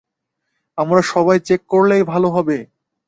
আমরা সবাই গিয়ে চেক করলেই ভালো হবে!